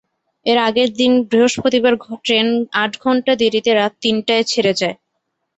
এর আগের দিন বৃহস্পতিবার ট্রেন আট ঘণ্টা দেরিতে রাত তিনটায় ছেড়ে যায়।